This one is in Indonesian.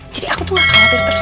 jadi aku tuh nggak khawatir terus